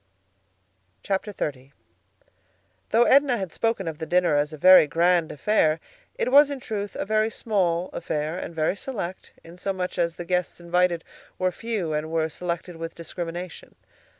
XXX Though Edna had spoken of the dinner as a very grand affair, it was in truth a very small affair and very select, in so much as the guests invited were few and were selected with discrimination.